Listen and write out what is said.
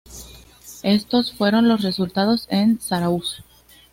Estos fueron los resultados en Zarauz.